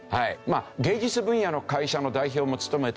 芸術分野の会社の代表も務めていてですね